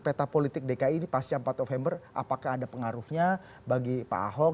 peta politik dki ini pasca empat november apakah ada pengaruhnya bagi pak ahok